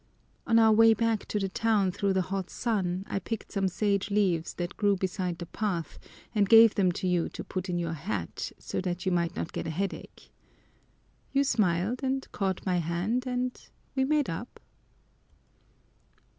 On our way back to the town through the hot sun, I picked some sage leaves that grew beside the path and gave them to you to put in your hat so that you might not get a headache. You smiled and caught my hand, and we made up."